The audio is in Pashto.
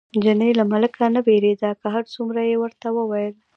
چیني له ملکه نه وېرېده، که هر څومره یې ورته وویل.